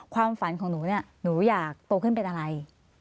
ความฝันของหนูเนี่ยหนูอยากโตขึ้นเป็นอะไร